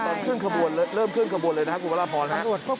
ตอนเคลื่อนขบวนเริ่มเคลื่อนขบวนเลยนะครับกรุงพระราบพรนะครับ